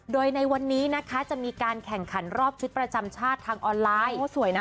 โดยในวันนี้นะคะจะมีการแข่งขันรอบชุดประจำชาติทางออนไลน์